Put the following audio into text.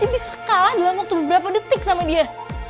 bisa kalah dalam waktu beberapa detik sama dia